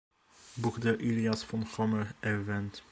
Buch der Ilias von Homer erwähnt.